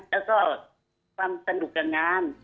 แล้วก็ความสนุกกับงาน